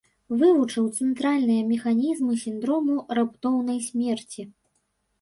Вывучыў цэнтральныя механізмы сіндрому раптоўнай смерці.